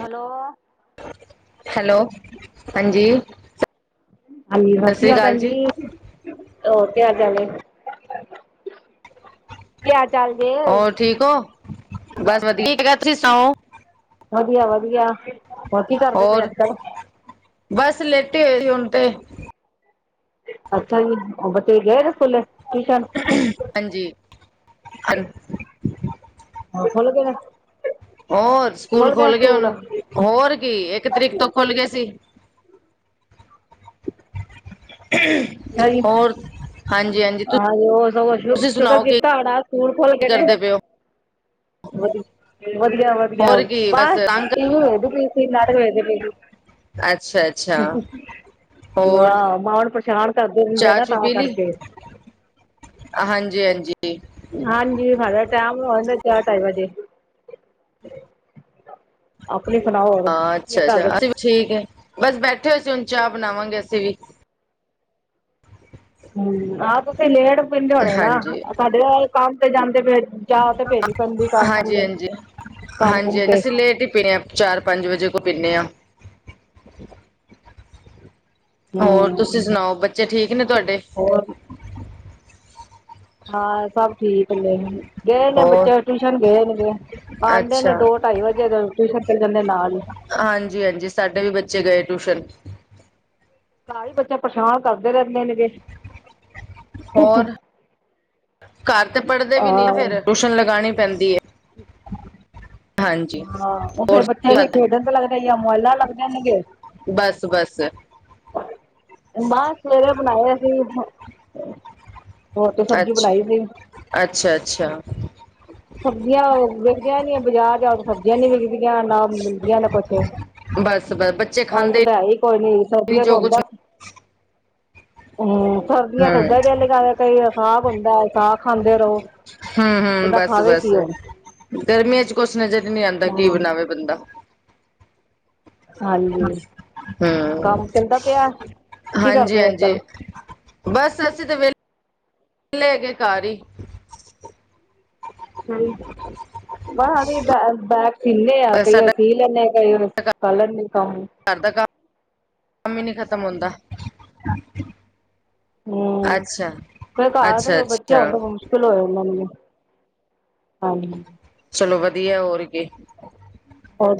Hello. Hello ਹਾਂਜੀ। ਹਾਂਜੀ ਸਤਿ ਸ੍ਰੀ ਅਕਾਲ ਭੈਣ ਜੀ। ਹੋਰ ਕੀ ਹਾਲ ਚਾਲ ਹੈ ਕਿਆ ਹਾਲ ਚਾਲ ਜੇ। ਹੋਰ ਠੀਕ ਹੋ ਬਸ ਵਧੀਆ ਹੈਗਾ ਹੈਂ। ਤੁਸੀਂ ਸੁਣਾਓ। ਵਧੀਆ ਵਧੀਆ ਹੋਰ ਕੀ ਕਰਦੇ ਪਏ ਹੋਰ ਅੱਜ ਕੱਲ੍ਹ। ਬਸ ਲੇਟੇ ਹੋਏ ਸੀ ਹੁਣ ਤੇ। ਅੱਛਾ ਜੀ ਬੱਚੇ ਗਏ ਨੇ ਸਕੂਲੇ। ਹਾਂਜੀ ਹਾਂਜੀ। ਹੁਣ ਫੁੱਲਗੇ ਨੇ। ਹੋਰ ਸਕੂਲ ਖੁੱਲ ਖੋਲ ਗਏ ਸਕੂਲ ਹੁਣ ਹੋਰ ਕੀ ਇੱਕ ਤਰੀਕ ਤੋਂ ਖੋਲ ਗਏ ਸੀ। ਅੱਛਾ ਜੀ ਹੋਰ। ਹਾਂਜੀ ਉਹ ਸਗੋਂ ਤੁਸੀਂ ਸ਼ੁਕਰ ਸੁਣਾਓ ਕੀ ਕੀਤਾ ਹੋਣਾ ਸਕੂਲ ਖੁੱਲ ਗਏ ਨੇ। ਕਰਦੇ ਪਏ ਹੋ ਵਧੀਆ ਵਧੀਆ ਹੋਰ ਕੀ ਬਸ ਤੰਗ ਟੀਵੀ ਦੇਖਦੀ ਸੀ। ਅਸੀਂ ਨਾਟਕ ਦੇਖ ਰਹੀ ਅੱਛਾ ਅੱਛਾ ਸੀ। ਹੋਰ ਵਾਹ ਮਨਪ੍ਰਚਾਵਾ। ਵਿਚਾਰ ਕਰਦੇ ਹੁੰਦੇ ਚਾਹ ਨਾ ਚੂ ਤਾਂ ਪੀ ਲਈ ਕਰਕੇ। ਹਾਂਜੀ ਹਾਂਜੀ। ਹਾਂਜੀ ਸਾਡਾ ਟਾਈਮ ਹੋ ਜਾਂਦਾ ਹੈ। ਚਾਰ ਢਾਈ ਵਜੇ। ਆਪਣੀ ਸੁਣਾਓ ਹੋਰ ਹਾਂ ਕੀਆ ਅੱਛਾ ਅੱਛਾ ਘਰ। ਅਸੀਂ ਵੀ ਠੀਕ ਹੈ। ਬਸ ਬੈਠੇ ਹੋਏ ਸੀ। ਹੁਣ ਚਾਹ ਬਣਾਵਾਂਗੇ ਅਸੀਂ ਵੀ। ਹੂੰ ਹਾਂ। ਤੁਸੀਂ ਲੇਟ। ਪੀਂਦੇ ਹੋਣੇ ਨਾ ਹਾਂਜੀ ਸਾਡੇ ਤੇ ਇਹ ਕੰਮ ਤੇ ਜਾਂਦੇ ਫੇਰ ਚਾਹ ਤੇ ਭੇਜਣੀ ਪੈਂਦੀ ਹਾਂਜੀ ਕਾਰਖਾਨੇ। ਹਾਂਜੀ ਕੰਮ ਕੁੰਮ ਹਾਂਜੀ ਹਾਂਜੀ ਤੇ। ਅਸੀਂ ਲੇਟ ਹੀ ਪੀਣੇ ਹਾਂ। ਚਾਰ ਪੰਜ ਵਜੇ ਕੋ ਪੀਦੇ ਹਾਂ। ਹੋਰ ਹਮ ਤੁਸੀਂ ਸੁਣਾਓ ਬੱਚੇ ਠੀਕ ਨੇ ਤੁਹਾਡੇ। ਹੋਰ। ਹਾਂ ਸਭ ਠੀਕ ਨੇ। ਗਏ ਨੇ ਹੋਰ ਬੱਚੇ ਟਿਊਸ਼ਨ ਗਏ ਨੇਗੇ ਆਉਂਦੇ ਨੇ ਅੱਛਾ ਦੋ ਢਾਈ ਵਜੇ ਫੇਰ ਟਿਊਸ਼ਨ ਚਲ ਜਾਂਦੇ ਨੇ ਨਾਲ ਹੀ। ਹਾਂਜੀ ਹਾਂਜੀ ਸਾਡੇ ਵੀ ਬੱਚੇ ਗਏ ਟਿਊਸ਼ਨ। ਘਰ ਬੱਚੇ ਪਰੇਸ਼ਾਨ ਕਰਦੇ ਰਹਿੰਦੇ ਨੇਗੇ। ਹੋਰ ਘਰ ਤੇ ਪੜ੍ਹਦੇ ਵੀ ਨਹੀਂ ਫੇਰ ਟਿਊਸ਼ਨ ਲਗਾਉਣੀ ਪੈਂਦੀ ਹੈ। ਹੂੰ। [unintelligible] ਹਾਂਜੀ ਹਾਂ ਉਹ ਫੇਰ ਹੋਰ ਕੀ ਬੱਚੇ ਫਿਰ ਖਾਦਾ ਖੇਡਣ ਤੇ ਲੱਗਦੇ ਜਾਂ ਮੋਬਾਈਲਾਂ ਲੱਗ ਜਾਣਗੇ। ਬੱਸ ਬੱਸ। ਮਾਂਹ ਸਵੇਰੇ ਬਣਾਇਆ ਸੀ ਹੁਣ। ਹੋਰ ਤੇ ਸਬਜ਼ੀ ਅੱਛਾ ਬਣਾਈ ਸੀ। ਅੱਛਾ ਅੱਛਾ ਸਬਜ਼ੀਆਂ ਵਿਕਦੀਆਂ ਨੀ ਬਾਜ਼ਾਰ ਜਾਓ ਤਾਂ ਸਬਜ਼ੀਆਂ ਨੀ ਵਿਕਦੀਆਂ ਨਾ ਮਿਲਦੀਆਂ ਨਾ ਕੁੱਛ ਬਸ ਬਸ ਬੱਚੇ ਖਾਂਦੇ ਕੋਈ ਨੀ ਸਰਦੀਆਂ ਤੋਂ ਜੋ ਕੁਛ ਹੁੰਦਾ ਹਮ ਹੂੰ ਸਰਦੀਆਂ ਤੇ ਓਦਾਂ ਹੀ ਦਿਲ ਲਗਾ ਕਈ ਸਾਗ ਹੁੰਦਾ ਸਾਗ ਖਾਂਦੇ ਰਹੋ ਹਮ ਹਮ ਬੰਦਾ ਬਸ ਖਾਵੇ ਬਸ ਕੀ ਹੁਣ ਗਰਮੀਆਂ ਚ ਕੁਛ ਨਜ਼ਰ ਹੀ ਨੀ ਆਉਂਦਾ ਕੀ ਹਾਂ ਬਣਾਵੇ ਬੰਦਾ ਹਾਂਜੀ ਹਮ ਕੰਮ ਚੱਲਦਾ ਪਿਆ ਕੀ ਹਾਂਜੀ ਕਰਦੇ ਅੱਜ ਹਾਂਜੀ ਕੱਲ ਬਸ ਅਸੀਂ ਤੇ ਵੇਲੇ ਵਿਹਲੇ ਹੈਗੇ ਕਾਰ ਹੀ ਹਮ ਮੈਂ ਹ ਬੈ ਸਿੰਨੇ ਆ ਅਹ ਕਈ ਸਾਡਾ ਸੀਲਰ ਨੇ ਕਈਰ ਕਲਰ ਨੇ ਕਮ ਘ ਦਾ ਕੰਮ ਕੰਮ ਹੀ ਨਹੀਂ ਖਤਮ ਹੁੰਦਾ ਹਮ ਅੱਛਾ ਫਿਰ ਘਰ ਤੇ ਅੱਛਾ ਫਿਰ ਬੱਚੇ ਅੱਛਾ ਹੋਣ ਤੇ ਫੇਰ ਮੁਸ਼ਕਿਲ ਹੋ ਗਿਆ ਉਹਨਾਂ ਨੂੰ ਹਾਂਜੀ ਚਲੋ ਵਧੀਆ ਹੋਰ ਕੀ ਹੋਰ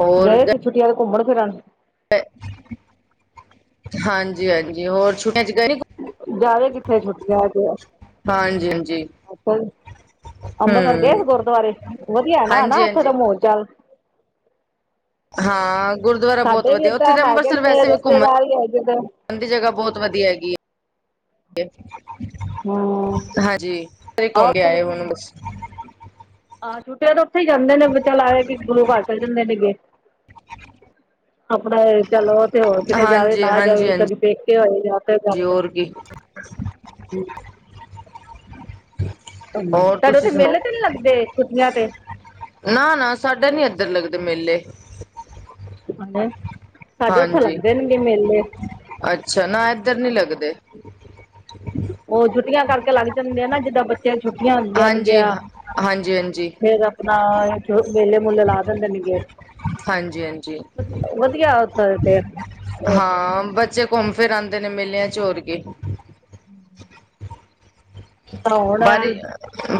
ਹੋਰ ਗਏ ਸੀ ਗ- ਛੁੱਟੀਆਂ ਤੇ ਘੁੰਮਣ ਫਿਰਨ ਹਾਂਜੀ ਹਾਂਜੀ ਹੋਰ ਛੁੱਟੀਆਂ ਚ ਗਹਿਣੀ ਜ਼ਿਆਦਾ ਕਿੱਥੇ ਛੁੱਟੀਆਂ ਤੇ ਹਾਂਜੀ ਹਾਂਜੀ ਅੰਮ੍ਰਿਤਸਰ ਗਏ ਹੂੰ ਗੁਰਦੁਆਰੇ ਵਧੀਆ ਨਾ ਨਾ ਹਾਂਜੀ ਇੱਥੇ ਦਾ ਹਾਂਜੀ ਮੋਰ ਚਾਲ ਹਾਂ ਗੁਰਦੁਆਰਾ ਬਹੁਤ ਸਾਡੇ ਵੀ ਵਧੀਆ ਉੱਥੇ ਏਦਾਂ ਤਾਂ ਹੈਗੇ ਅੰਮ੍ਰਿਤਸਰ ਨੇ ਵੈਸੇ ਵੀ ਘੁੰਮਣ ਰਿਸ਼ਤੇਦਾਰ ਹੀ ਹੈਗੇ ਨੇ ਉਹ ਦੀ ਜਗ੍ਹ ਬਹੁਤ ਵਧੀਆ ਹੈਗੀ ਹੈ ਹਮ ਹਾਂਜੀ ਤੇਰੇ ਆਹ ਘੁਮਗੇ ਆਏ ਹੁਣ ਬਸ ਆਂ ਛੁੱਟੀਆਂ ਤਾਂ ਉੱਥੇ ਹੀ ਜਾਂਦੇ ਨੇ ਬਾਲ ਆਏ ਵੀ ਗੁਰੂ ਘਾਟ ਚ ਜਾਂਦੇ ਨੇਗੇ ਆਪਣਾ, ਚਲੋ ਤੇ ਹੋਰ ਕਿਤੇ ਜਾਵੇ ਹਾਂਜੀ ਨਾ ਹਾਂਜੀ ਜਾਵੇ, ਹਾਂਜੀ ਕਦੀ ਦੇਖ ਹੋਏ ਤਾਂ ਜੀ ਜਾਏ ਹੋਰ ਕੀ [unintelligible] ਹੋਰ ਤੁਹਾਡੇ ਤੁਸੀਂ ਉੱਥੇ, ਮੇਲੇ ਤੇ ਸੁਣਾਓ ਨੀ ਲੱਗਦੇ, ਛੁੱਟੀਆਂ ਤੇ? ਨਾ- ਨਾ, ਸਾਡਾ ਨੀ ਇੱਧਰ ਲੱਗਦੇ ਮੇਲੇ। ਹਾਂ, ਸਾਡੇ ਉੱਥੇ ਹਾਂਜੀ ਲੱਗਦੇ ਨੇ ਗੇ ਮੇਲੇ। ਅੱਛਾ, ਨਾ ਇੱਧਰ ਨਹੀਂਂ ਲੱਗਦੇ। ਉਹ ਛੁੱਟੀਆਂ ਕਰਕੇ ਲੱਗ ਜਾਂਦੇ ਆ, ਨਾ ਜਿੱਦਾਂ ਬੱਚਿਆਂ ਨੂੰ ਛੁੱਟੀਆਂ ਹਾਂਜੀ ਹੁੰਦੀਆਂ ਹਾਂ, [unintelligible] ਹਾਂਜੀ ਹਾਂਜੀ ਫੇਰ ਆਪਣਾ ਮੇਲੇ -ਮੂਲੇ, ਲਾ ਦਿੰਦੇ ਨੇ ਗੇ ਹਾਂਜੀ ਹਾਂਜੀ ਵਧ, ਵਧੀਆ ਥੋਂ ਦੇ ਹਾਂ, ਬੱਚੇ ਘੁੰਮ ਫਿਰ, ਆਉਂਦੇ ਨੇ, ਮੇਲਿਆਂ ਚੋ ਹੋਰ ਕੀ ਹਮ ਬਾਰਿ,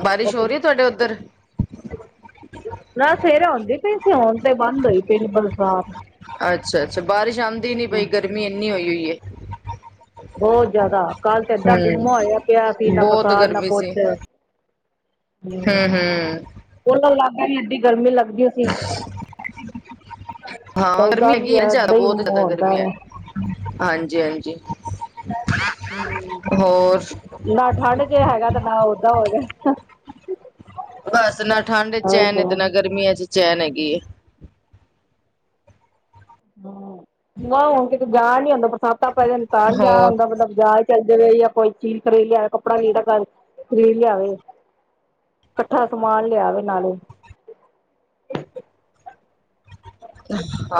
ਬਾਰਿਸ਼ ਹੋ ਰਹੀ ਤੁਹਾਡੇ ਉੱਧਰ? ਨਾ, ਸਵੇਰੇ ਹੁੰਦੀ ਪਈ ਸੀ, ਹੁਣ ਤੇ ਬੰਦ ਹੋਈ ਪਈ ਬਰਸਾਤ। ਅੱਛਾ- ਅੱਛਾ, ਬਾਰਿਸ਼ ਆਉਂਦੀ ਨੀ ਪਈ, ਗਰਮੀ ਇੰਨੀ ਹੋਈ -ਹੋਈ ਹੈ। ਬਹੁਤ ਜ਼ਿਆਦਾ, ਕੱਲ ਤੇ ਏਦਾਂ ਗੁੰਮਾ ਹਮ ਹੋਇਆ ਪਿਆ ਸੀ, ਨਾ ਬਹੁਤ ਬਰਸਾਤ ਨਾ ਗਰਮੀ ਕੁਛ। ਸੀ ਹਮ ਕੂਲਰ ਲਗਾ, ਕੇ ਵੀ ਏਡੀ ਗਰਮੀ ਲੱਗਦੀ ਸੀ। ਹਾਂ। ਤੇ ਹਾਂ, ਗਰਮੀ ਓਦਾਂ ਵੀ ਹੈਗੀ ਆ, ਜ਼ਿਆਦਾ ਏਦਾਂ ਹੀ ਬਹੁਤ ਜ਼ਿਆਦਾ ਹੁੰਦਾ ਗਰਮੀ ਹੈ, ਵਾ ਹਾਂਜੀ- ਹਾਂਜੀ। ਹੋਰ ਨਾ ਠੰਡ ਜੇ, ਹੈਗਾ ਤੇ ਨਾ ਓਦਾਂ ਹੋ ਗਿਆ। ਬਸ ਨਾ ਠੰਡ ਚ ਚੈਨ, ਤੇ ਗਿਆ। ਨਾ ਗਰਮੀਆਂ ਚ ਚੈਨ ਹੈਗੀ ਏ। ਹਮ, ਹੁਣ ਕਿਤੇ ਜਾਣ ਨੀ ਹੁੰਦਾ, ਬਰਸਾਤਾਂ ਪੈ ਜਾਣ ਤਾਂ ਨੀ ਜਾਣ ਹੋਰ ਹੁੰਦਾ, ਮਤਲਬ ਬਜਾ ਚੱਲ ਜਾਏ, ਜਾਂ ਕੋਈ ਚੀਜ਼ ਖਰੀਦ ਲਿਆਵੇ, ਕੱਪੜਾ ਲੀੜਾ, ਘਰ ਖਰੀਦ ਲਿਆਵੇ। ਇਕੱਠਾ ਸਮਾਨ, ਲਿਆਵੇ ਨਾਲੇ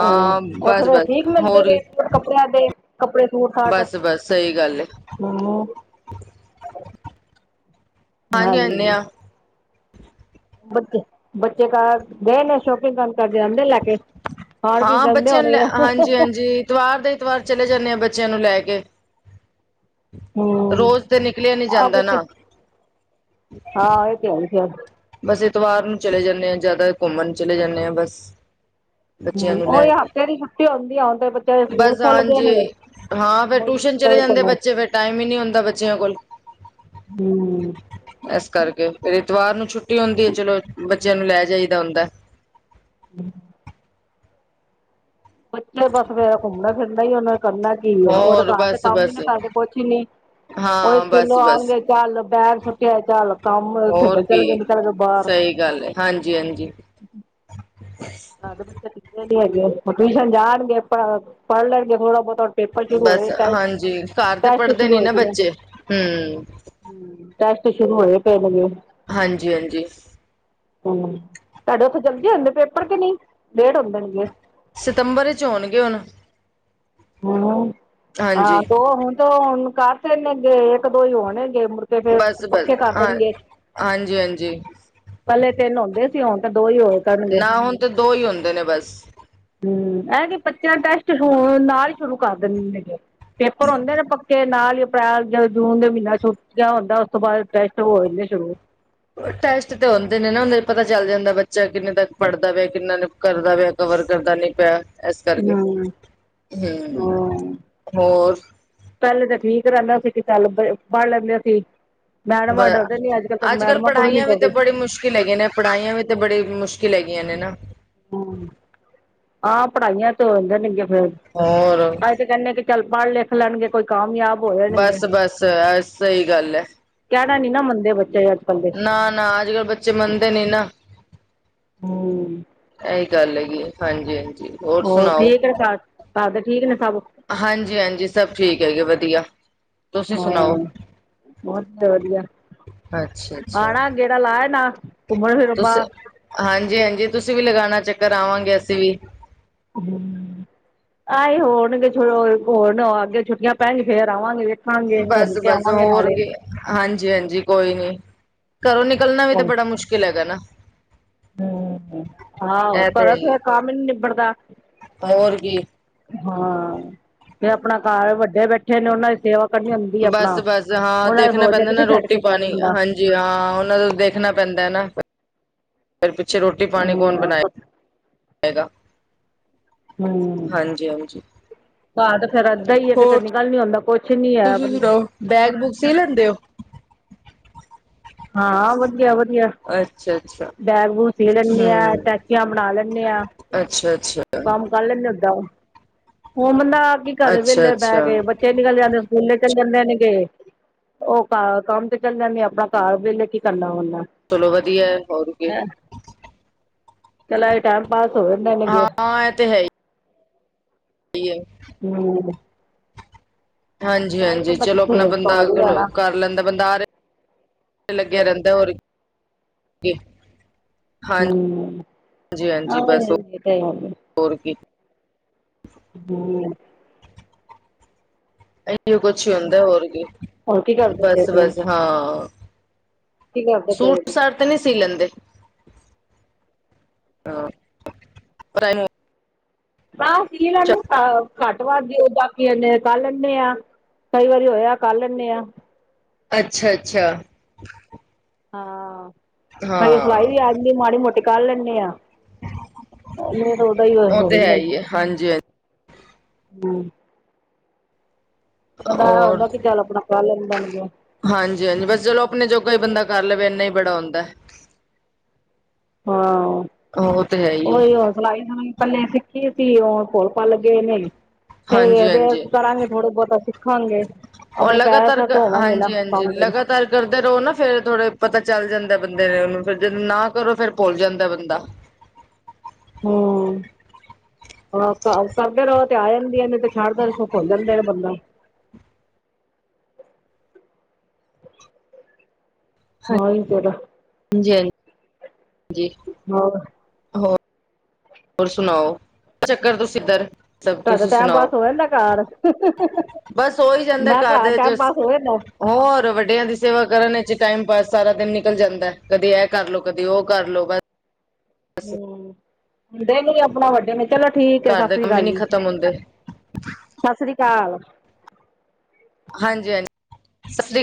ਹਮ ਬਸ ਉੱਥੇ ਦੇ -ਬਸ ਠੀਕ ਮਿਲਦੇ ਹੋਰ ਲੀ ਰੇਟ ਕੱਪੜਿਆਂ ਦੇ ਕੱਪੜੇ ਸੂਟ ਸਾਟ ਬਸ -ਬਸ, ਸਹੀ ਗੱਲ ਹੈ। ਹਮ ਹਾਂਜੀ, ਲਿਆਨੇ ਆ। ਬੱਚੇ, ਬੱਚੇ ਕ ਗਏ ਨੇ ਸ਼ੋਪਿੰਗ ਕਰਨ? ਕਰ ਜਾਂਦੇ ਲੈਕੇ, ਖਾਣ ਪੀਣ ਹਾਂ ਜਾਂਦੇ ਬੱਚਿਆਂ ਨੂੰ ਹੋਣੇ ਲੈ ਆ। ਹ ਹ ਹਾਂਜੀ ਹ ਹਾਂਜੀ ਇਤਵਾਰ ਦੇ ਇਤਵਾਰ ਚਲੇ ਜਾਂਦੇ ਆ, ਬੱਚਿਆਂ ਨੂੰ ਲੈ ਕੇ। ਹਮ ਰੋਜ਼ ਤੇ ਨਿਕਲਿਆ ਨੀ, ਆਹ ਜਾਂਦਾ ਬੱਚੇ ਨਾ। ਹਾਂ, ਇਹ ਤੇ ਹੈ ਈ ਫੇਰ। ਬਸ, ਇਤਵਾਰ ਨੂੰ ਚਲੇ ਜਾਂਦੇ ਆ, ਜ਼ਿਆਦਾ ਘੁੰਮਣ ਨੂੰ ਚਲੇ ਜਾਂਦੇ ਹਾਂ ਬਸ। ਬੱਚਿਆਂ ਹ ਨੂੰ ਲੈ ਉਹੀ ਕੇ ਹਫ਼ਤੇ ਦੀ ਛੁੱਟੀ ਹੁੰਦੀ ਆ, ਹੁਣ ਤੇ ਬੱਚਿਆਂ ਸਕੂਲ ਬਸ ਖੁੱਲ ਗਏ ਹਾਂਜੀ ਨੇ ਹਾਂ ਫੇਰ ਹੋਰ ਟਿਊਸ਼ਨ ਮੁੱਦਾ ਚਲੇ ਜਾਂਦੇ ਕਮੋ ਬੱਚੇ, ਫੇਰ ਟਾਈਮ ਹੀ ਨਹੀਂ ਹੁੰਦਾ ਬੱਚਿਆਂ ਕੋਲ। ਹੂੰ। ਇਸ ਕਰਕੇ ਐਤਵਾਰ ਨੂੰ ਛੁੱਟੀ ਹੁੰਦੀ ਹੈ, ਚਲੋ ਬੱਚਿਆਂ ਨੂੰ ਲੈ ਜਾਈਦਾ ਹੁੰਦਾ। ਹੂੰ ਬੱਚੇ ਬਸ ਫੇਰ ਘੁੰਮਣਾ ਫਿਰਨਾ ਹੀ, ਉਹਨਾ ਕਰਨਾ ਕੀ ਹੈ? ਉਹ ਤੇ ਹੋਰ ਘਰ ਤੇ ਬਸ ਕੰਮ ਹੀ ਬਸ ਨ ਕਰਦੇ, ਕੁਛ ਨੀ ਉਹੀ ਹਾਂ ਸਕੂਲੋਂ ਬਸ ਬਸ ਆਣਗੇ, ਚੱਲ ਬੈਗ ਸੁੱਟਿਆ, ਚੱਲ ਕੰਮ, ਹੋਰ ਖੇਡਣ ਚੱਲ ਕੀ ਗਏ, ਨਿਕਲ ਗਏ ਬਾਹਰ ਸਹੀ ਗੱਲ ਹੈ, ਹਾਂਜੀ-ਹਾਂਜੀ। ਘਰ ਤੇ ਬੱਚੇ ਟਿੱਕਦੇ ਨੀ ਹੈਗੇ, ਟਿਊਸ਼ਨ ਜਾਣਗੇ ਪ ਪੜ੍ਹ ਲੈਣਗੇ, ਥੋੜਾ ਬਹੁਤਾ ਪੇਪਰ ਸ਼ੁਰੂ ਬਸ, ਹੋਏ ਟਾਈਮ ਹਾਂਜੀ ਘਰ ਤੇ ਟੈਸਟ ਪੜ੍ਹਦੇ ਸ਼ੁਰੂ ਨੀ ਹੋਏ ਨਾ ਪਏ ਨੇ ਬੱਚੇ, ਹਮਮ ਟੈਸਟ, ਸ਼ੁਰੂ ਹੋਏ ਪਏ ਨੇ ਹਾਂਜੀ- ਹਾਂਜੀ਼। ਹਮ, ਤੁਹਾਡੇ ਉੱਥੇ ਜਲਦੀ ਹੁੰਦੇ ਪੇਪਰ ਕਿ ਨਹੀਂ, ਲੇਟ ਹੁੰਦੇ ਨ ਗੇ। ਸਤੰਬਰ ਚ, ਹੋਣਗੇ ਹੁਣ। ਹਉ, ਹਾਂ ਹਾਂਜੀ ਦੋ ਹੁਣ ਤਾਂ ਹੁਣ ਕਰਦੇ ਨੇ ਗਏ, ਇੱਕ ਦੋ ਹੀ ਹੋਣੇਗੇ। ਤੇ ਫੇਰ ਪੱਕੇ ਕਰ ਦੇਣਗੇ। ਹਾਂਜੀ-ਹਾਂਜੀ। ਪੈਲੇ ਤਿੰਨ ਹੁੰਦੇ ਸੀ ਹੁਣ ਤੇ ਦੋ ਈ ਹੋਏ ਕਰਨਗੇ ਨਾ ਹੁਣ ਤਾਂ ਦੋ ਈ ਹੁੰਦੇ ਨੇ ਬਸ ਹੂੰ, ਐਤਕਿ ਬੱਚਿਆਂ ਟੈਸਟ ਹੁਣ ਨਾਲ ਈ ਸ਼ੁਰੂ ਕਰ ਦੇਨਗੇ। ਪੇਪਰ ਹੋਂਦੇ ਨੇ ਪੱਕੇ ਨਾਲ ਈ ਅਪ੍ਰੈਲ ਜਦੋਂ ਜੂਨ ਦੇ ਮਹੀਨਾ ਛੁੱਟੀਆਂ ਦਾ ਹੁੰਦਾ ਉਸ ਤੋਂ ਬਾਦ ਟੈਸਟ ਹੋਣਗੇ ਸ਼ੁਰੂ ਟੈਸਟ ਤੇ ਹੁੰਦੇ ਨੇ ਨਾ ਉਹਦੇ ਪਤਾ ਚੱਲ ਜਾਂਦਾ ਬੱਚਾ ਕਿੰਨੇ ਤੱਕ ਪੜਦਾ ਪਿਆ ਕਿੰਨਾ ਨੇ ਕਰਦਾ ਪਿਆ ਕਵਰ ਕਰਦਾ ਨੀ ਪਿਆ ਇਸ ਕਰਕੇ ਹਮ ਹੂੰ, ਹੋਰ ਪੈਲੇ ਤੇ ਠੀਕ ਰੈਂਦਾ ਸੀ ਕਿ ਚੱਲ ਬਈ ਪੜ ਲੈਂਦੇ ਸੀ। ਬ ਮੈਡਮਾਂ ਡਰਦੇ ਨੀ ਤਾਂ ਅੱਜ ਕੱਲ ਮੈਡਮਾਂ ਕੋਲ ਨੀ ਪੜ੍ਹਾਈਆਂ ਵੀ ਤੇ ਡਰਦੇ ਬੜੀ ਮੁਸ਼ਕਿਲ ਹੈਗੀ ਨੇ ਪੜ੍ਹਾਈਆਂ ਵੀ ਤਾਂ ਬੜੀ ਮੁਸ਼ਕਿਲ ਹੈਗੀਆਂ ਨੇ ਨਾ ਹੂੰ, ਆਹ ਪੜ੍ਹਾਈਆਂ ਤੇ ਹੋ ਜਾਂਨਗੀਆਂ ਫੇਰ ਔਰ ਕਹਿਣੇ ਕੀ ਚੱਲ ਪੜ ਲਿਖ ਲੈਣਗੇ ਕੋਈ ਕਾਮਯਾਬ ਹੋ ਜਾਣਗੇ ਬਸ, ਬਸ ਅ ਸਈ ਗੱਲ ਐ। ਕਹਿਣਾ ਨੀ ਨਾ ਮੰਨਦੇ ਬੱਚੇ ਅੱਜ ਕੱਲ ਦੇ ਨਾ, ਨਾ ਅੱਜ ਕੱਲ ਬੱਚੇ ਮੰਨਦੇ ਨੀ ਨਾ ਹੂੰ। ਇਹੀ ਗੱਲ ਹੈਗੀ ਹਾਂਜੀ, ਹਾਂਜੀ। ਹੋਰ ਠੀਕ ਨੇ ਘਰ ਘਰਦੇ ਠੀਕ ਨੇ ਸਬ ਹਾਂਜੀ-ਹਾਂਜੀ ਸਭ ਠੀਕ ਹੈਗੇ ਵਦੀਆ। ਹਾਂ, ਵਦੀਆ-ਵਦੀਆ, ਅੱਛਾ-ਅੱਛਾ ਆਣਾ ਗੇੜਾ ਲਾ ਏਨਾ ਤੁਸੀ ਹਾਂਜੀ-ਹਾਂਜੀ, ਤੁਸੀਂ ਵੀ ਲਗਾਣਾ ਚੱਕਰ ਆਵਾਂਗੇ ਅਸੀਂ ਵੀ ਆਏ ਹੋਣਗੇ [unintelligible] ਹੋਣ ਅੱਗੇ ਛੁੱਟੀਆਂ ਪੈਣਗੀ ਫੇਰ ਆਵਾਂਗੇ ਵੇ ਖਾਂਗੇ, ਘੁੰਮ ਕੇ ਬਸ-ਬਸ ਆਵਾਂਗੇ ਹੋਰ ਨਾਲੇ। ਕੀ ਹਾਂਜੀ-ਹਾਂਜੀ, ਕੋਈ ਨੀ, ਘਰੋਂ ਨਿਕਲਣਾ ਵੀ ਤਾਂ ਬੜਾ ਮੁਸ਼ਕਿਲ ਹੈਗਾ ਨਾ ਹੂੰ, ਆਹੋ ਇਹ ਤੇ ਹੈ ਘਰੋ ਹੀ ਹੈ। ਫਿਰ ਕੰਮ ਈ ਨੀ ਨਿਬੜਦਾ ਹੋਰ ਕੀ ਹਾਂ, ਤੇ ਅਪਣਾ ਘਰ ਵੱਡੇ ਬੈਠੇ ਨੇ ਉਹਨਾਂ ਦੀ ਸੇਵਾ ਕਰਨੀ ਹੁੰਦੀ ਹੈ ਆਪਣਾ ਬਸ-ਬਸ ਹਾਂ ਉਹਨਾਂ ਨੇ ਦੇਖਣਾ ਸੋਚਦੇ ਪੈਂਦਾ ਨਾ ਕਿੱਥੇ ਛੱਡ ਕੇ ਜਾਵੇ ਰੋਟੀ-ਪਾਣੀ ਬੰਦਾ ਹਾਂਜੀ ਜੀ ਹਾਂ, ਉਹਨਾਂ ਦਾ ਦੇਖਣਾ ਪੈਂਦਾ ਐ ਨਾ, ਫਿਰ ਪਿੱਛੇ ਰੋਟੀ-ਪਾਣੀ ਕੌਣ ਹਾਂ ਬਣਾਏ? ਹੈਗਾ, ਹਮ ਹਾਂਜੀ-ਹਾਂਜੀ। ਘਰ ਤੇ ਫੇਰ ਐੱਦਾ ਈ ਐ ਕਿਤੇ ਨਿਕਲ ਨੀ ਹੁੰਦਾ ਕੁਛ ਨੀ ਐ ਬੈਗ-ਬੂਗ ਸੀ ਲੈਂਦੇ ਓ? ਹਾਂ, ਵਦੀਆ-ਵਦੀਆ। ਅੱਛਾ-ਅੱਛਾ। ਬੈਗ-ਬੂਗ ਸੀ ਲੈਣੀ ਆ, ਟੈਚੀਆਂ ਬਣਾ ਲੈਣੇ ਆ। ਅੱਛਾ-ਅੱਛਾ। ਕੰਮ ਕਰ ਲੈਣੇ ਆ ਓਦਾਂ ਹੁਣ ਬੰਦਾ ਕੀ ਕਰੇ ਅੱਛਾ ਵੇਲੇ ਬੈ ਅੱਛਾ ਕੇ ਬ ਬੱਚੇ ਨਿਕਲ ਜਾਂਦੇ ਸਕੂਲੇ ਚਲੇ ਜਾਂਦੇ ਨੇਗੇ ਉਹ ਕ ਕੰਮ ਤੇ ਚਲੇ ਜਾਣੀ ਆ, ਅਪਣਾ ਘਰ ਵੇਲੇ ਕੀ ਕਰਨਾ ਹੋਂਦਾ। ਚਲੋ ਵਦੀਆ ਐ, ਹੋਰ ਕੀ? ਚਲ ਏਈ ਟਾਈਮ ਪਾਸ ਹੋ ਜਾਂਦੇ ਨੇਗੇ। ਹਾਂ, ਇਹ ਤੇ ਹੈ ਈ। ਈ ਏ। ਹੂੰ। ਹਾਂਜੀ-ਹਾਂਜੀ, ਬੰਦਾ ਚਲੋ ਕਿੱਥੇ ਅਪਣਾ ਬੰਦਾ ਪਾੜ ਹੀ ਜਾਣਾ ਕਰ ਲੈਂਦਾ ਬੰਦਾ ਆਰੇ ਲੱਗਿਆ ਰਹਿੰਦਾ, ਹੋਰ ਕੀ। ਹਾਂਜੀ ਹੂੰ, ਹਾਂਜੀ ਬਸ [unintelligible] ਹੋਰ ਕੀ? [inaudible] [inaudible] ਇਹੀ ਕੁਛ ਹੁੰਦਾ ਹੈ ਹੋਰ ਕੀ? ਹੋਰ ਕੀ ਕਰਦੇ ਪਏ ਬਸ- ਸੀ ਬਸ ਹਾਂ ਕੀ ਕਰਦੇ ਪਏ ਸੀ ਸੁਰ-ਸਰ ਤਾ ਨਹੀਂ ਸੀ ਲੈਂਦੇ? ਬਸ ਸੀਲ ਨੂੰ ਪਾ ਘੱਟ ਵੱਧ ਦਿਓ ਬਾਕੀੇ ਕਰ ਲੈਂਦੇ ਆ ਕਈ ਵਾਰੀ ਹੋਇਆ ਕਰ ਲੈਂਦੇ ਆਂ ਅੱਛਾ-ਅੱਛਾ। ਹਾਂ, ਸਿਲਾਈ ਹਾਂ ਵੀ ਆ ਜਾਂਦੀ ਹੈ ਮਾੜੀ-ਮੋਟੀ ਕਰ ਲੈਂਦੇ ਆ ਨਹੀਂ ਤਾਂ ਉਹਦਾ ਹੀ ਉਹ ਤੇ ਹੈ ਹੀ ਹੈ ਹਾਂਜੀ ਹਾਂਜੀ ਬੰਦਾ ਇਹ ਹੁੰਦਾ ਚੱਲ ਆਪਣਾ ਪ ਲੈਣ ਬਣ ਗਿਆ [unintelligible] ਹਾਂਜੀ-ਹਾਂਜੀ, ਬਸ ਚਲੋ ਆਪਣੇ ਜੋਗਾ ਹੀ ਬੰਦਾ ਕਰ ਲਵੇ ਇੰਨਾ ਹੀ ਬੜਾ ਹਉਂਦਾ ਹੈ। ਹਾਂ, ਉਹ ਤੇ ਹੈ ਹੀ ਹੈ ਉਹੀ ਆ ਸਿਲਾਈ ਸੁਲਈ ਪਹਿਲੇ ਸਿੱਖੀ ਸੀ ਉਹ ਭੁੱਲ ਭਾਲ ਪ ਲੱਗੇ ਨੇ ਹਾਂਜੀ ਹਦੇ ਹਾਂਜੀ ਕਰਾਂਗੇ ਥੋੜਾ-ਬਹੁਤਾ ਸਿੱਖਾਂਗੇ ਉਹ ਆਪਣੇ ਪੈਰਾ ਸੈਟ ਹੋਵਾਂਗੇ ਨਾ ਪਾ ਕਰ-ਕਰਦੇ ਰਹੋ ਨਾ ਫਿਰ ਥੋੜੇ ਪਤਾ ਚੱਲ ਜਾਂਦਾ, ਬੰਦੇ ਨੇ ਉਹਨੂੰ ਫਿਰ ਜ ਨਾ ਕਰੋ ਫਿਰ ਭੁੱਲ ਜਾਂਦਾ ਬੰਦਾ। ਹਮ ਹਾ, ਕਰਦੇ ਰਹੋ ਤੇ ਆ ਜਾਂਦੀਆਂ ਨੇ ਤੇ ਛੱਡਦਾ ਭੁਲ ਜਾਂਦੇ ਨੇ ਬੰਦਾ ਮ ਹੀ ਤੇਰਾ ਹਾਂਜੀ-ਹਾਂਜੀ-ਹਾਂਜੀ ਹਾਂ ਹੋਰ ਸੁਣਾਓ? ਚੱਕਰ ਤੁਸੀ ਇੱਧਰ? ਸਭ ਤੁਹਾਡਾ ਤੁਸੀਂ ਟਾਈਮ ਸੁਣਾਓ ਪਾਸ ਹੋ ਜਾਂਦਾ ਘਰ? ਬਸ ਹੋਈ ਜਾਂਦਾ ਮੈਂ ਘਰ ਦੇ ਜ ਟਾਈਮ ਪਾਸ ਹੋ ਜਾਂਦਾ ਹੋਰ ਵੱਡਿਆਂ ਦੀ ਸੇਵਾ ਕਰਨ ਵਿੱਚ ਟਾਈਮ ਪਾਸ ਸਾਰਾ ਦਿਨ ਨਿਕਲ ਜਾਂਦਾ, ਕਦੇ ਇਹ ਕਰਲੋ ਕਦੇ ਉਹ ਕਰ ਲੋ ਬਸ ਹਮ, ਹੁੰਦੇ ਨੀ ਆਪਣਾ ਵੱਡੇ ਨੇ ਚਲੋ ਠੀਕ ਹੈ। ਸਤਿ ਘਰ ਦੇ ਸ੍ਰੀ ਕੰਮ ਹੀ ਅਕਾਲ ਨੀ ਜੀ ਖਤਮ ਹੁੰਦੇ ਸਤਿ ਸ੍ਰੀ ਅਕਾਲ। ਹਾਂਜੀ-ਹਾਂਜੀ, ਸਤ ਸ੍ਰੀ।